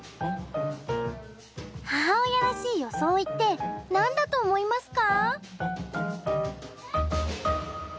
母親らしいよそおいって何だと思いますか？